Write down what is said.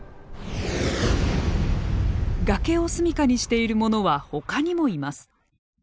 崖を住みかにしているものはほかにもいます。